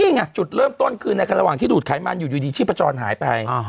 นี่ไงจุดเริ่มต้นคือในระหว่างที่ดูดไขมันอยู่อยู่ดีชีพจรหายไป